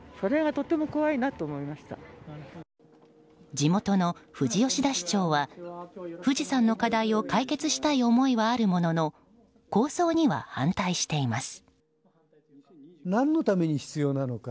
地元の富士吉田市長は富士山の課題を解決したい思いはあるものの構想には反対しています。